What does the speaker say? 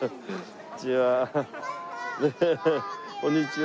こんにちは。